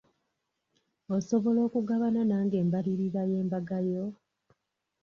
Osobola okugabana nange embalirira y'embaga yo?